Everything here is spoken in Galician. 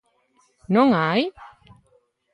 ¿Non a hai?